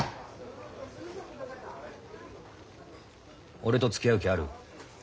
俺とつきあう気ある？